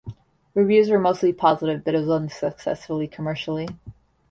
Reviews were mostly positive, but it was unsuccessful commercially.